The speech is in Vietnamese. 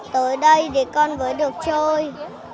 tới đây thì con mới được chơi